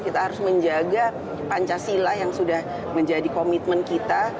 kita harus menjaga pancasila yang sudah menjadi komitmen kita